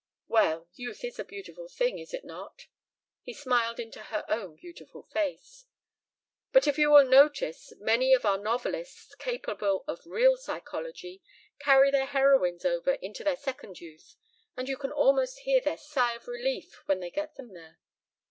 "Well youth is a beautiful thing is it not?" He smiled into her own beautiful face. "But, if you will notice, many of our novelists, capable of real psychology, carry their heroines over into their second youth, and you can almost hear their sigh of relief when they get them there."